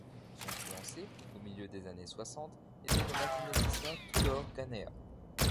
Son fiancé au milieu des années soixante était le mathématicien Tudor Ganea.